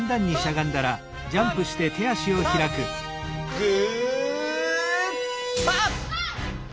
グーパッ！